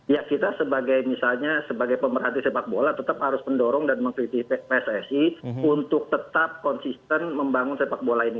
ya kita sebagai misalnya sebagai pemerhati sepak bola tetap harus mendorong dan mengkritik pssi untuk tetap konsisten membangun sepak bola ini